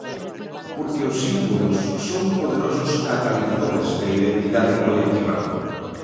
Porque os símbolos son poderosos catalizadores de identidade colectiva.